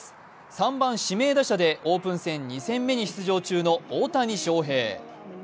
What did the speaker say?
３番・指名打者でオープン戦２戦目に出場中の大谷翔平。